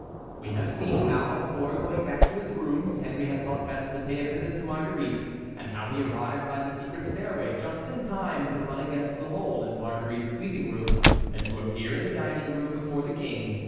We have seen how, before going back to his rooms, Henry had thought best to pay a visit to Marguerite, and how he arrived by the secret stairway just in time to run against La Mole in Marguerite's sleeping room, and to appear in the dining room before the King.